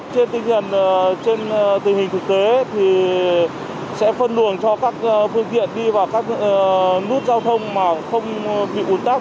trên tình hình thực tế thì sẽ phân luồng cho các phương tiện đi vào các nút giao thông mà không bị ổn tắc